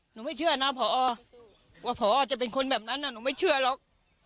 ไม่เชื่อนะพอว่าพอจะเป็นคนแบบนั้นหนูไม่เชื่อหรอก